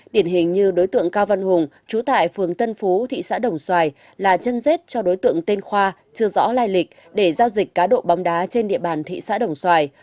điển hình như đối tượng cao văn hùng trú tại phường tân phú thị xã đồng xoài là chân rết cho đối tượng tên khoa chưa rõ lai lịch để giao dịch cá độ bóng đá trên địa bàn thị xã đồng xoài